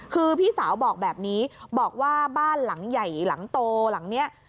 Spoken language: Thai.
คือพี่สาวบอกแบบนี้บอกว่าบ้านหลังใหญ่หลังโตหลังนี้